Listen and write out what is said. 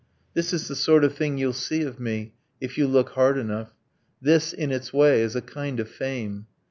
This is the sort of thing you'll see of me, If you look hard enough. This, in its way, Is a kind of fame.